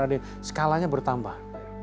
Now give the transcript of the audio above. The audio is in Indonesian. ada yang skalanya bertambah